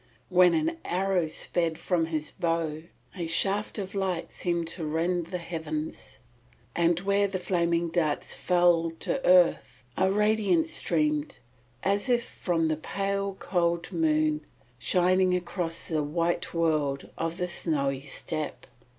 When an arrow sped from his bow a shaft of light seemed to rend the heavens, and where the flaming darts fell to earth a radiance streamed as from the pale cold moon shining across the white world of the snowy steppe.